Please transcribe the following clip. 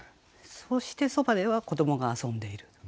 そしてそばでは子どもが遊んでいる。